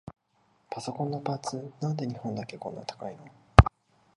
パソコンのパーツ、なんで日本だけこんな高いの？